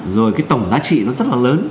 rồi cái tổng giá trị nó rất là lớn